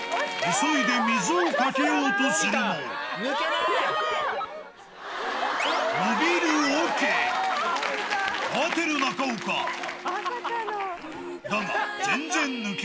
急いで水をかけようとするも、伸びるおけ。